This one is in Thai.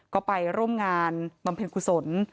ก็ไปร่วมงานบำเพ็ญกุศล